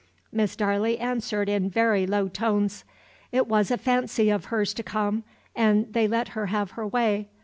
Miss Darley answered in very low tones. "It was a fancy of hers to come, and they let her have her way.